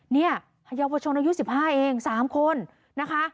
เยาวชนอายุ๑๕เอง๓คนนะคะ